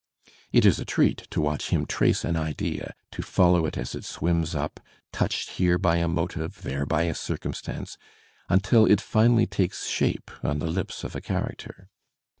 It is a treat to watch him trace an idea, to follow it as it swims up, touched here by a motive, there by a circumstance, imtil it finally takes shape on the lips of a character.